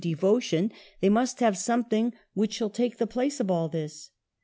devotion, they must have something which shall take the place of all this.